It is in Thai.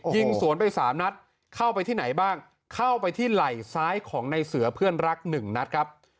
ยิงสวนไปสามนัดเข้าไปที่ไหนบ้างเข้าไปที่ไหล่ซ้ายของในเสือเพื่อนรักหนึ่งนัดครับ